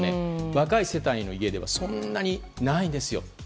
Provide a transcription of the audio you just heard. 若い世帯の家ではそんなにないですよと。